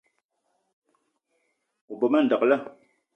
O be ma ndekle